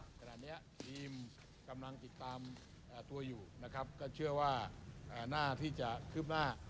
ขณะนี้ทีมกำลังติดตามตัวอยู่นะครับก็เชื่อว่าหน้าที่จะคืบหน้า